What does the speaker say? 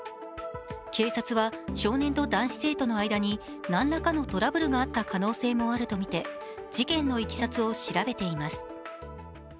警察は少年と男子生徒の間に何らかのトラブルがあった可能性もあるとみて事件のいきさつを調べています。